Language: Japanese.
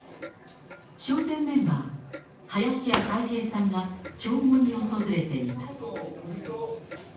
笑点メンバー、林家たい平さんが弔問に訪れていた。